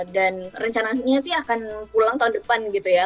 dan rencananya sih akan pulang tahun depan gitu ya